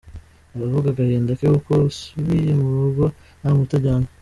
Aravuga agahinda ke k’uko asubiye mu rugo nta muti ajyanye.